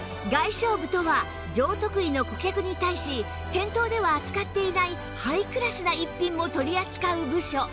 外商部とは上得意の顧客に対し店頭では扱っていないハイクラスな逸品も取り扱う部署